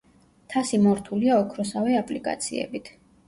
თასი მორთულია ოქროსავე აპლიკაციებით.